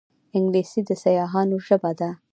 انګلیسي د سیاحانو ژبه ده